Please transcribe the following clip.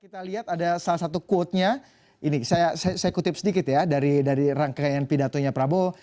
kita lihat ada salah satu quote nya ini saya kutip sedikit ya dari rangkaian pidatonya prabowo